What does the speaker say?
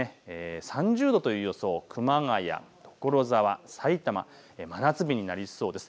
３０度という予想、熊谷、所沢、埼玉、真夏日になりそうです。